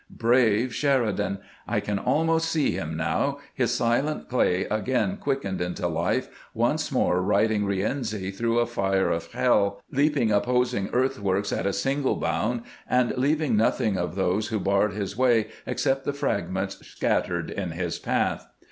Brave Sheridan ! I can almost see him now, his silent clay again quickened into life, once more riding " Rienzi " through a fire of hell, leaping opposing earthworks at a single bound, and leaving nothing of those who barred his way except the fragments scattered in his path.